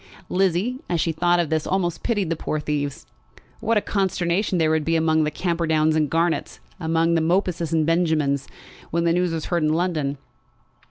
Lizzie, as she thought of this, almost pitied the poor thieves. What a consternation there would be among the Camperdowns and Garnetts, among the Mopuses and Benjamins, when the news was heard in London!